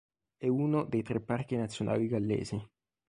È uno dei tre parchi nazionali gallesi.